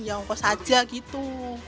ya ongkos saja gitu